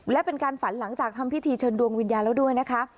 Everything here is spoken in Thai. และเป็นการฝันหลังจากทำพิธีเชิญดวงวิญญาณแล้วด้วยนะคะ